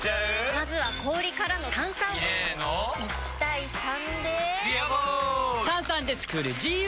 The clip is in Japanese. まずは氷からの炭酸！入れの１：３で「ビアボール」！